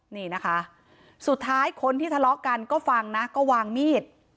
นี่นะคะสุดท้ายคนที่ทะเลาะกันก็ฟังนะก็วางมีด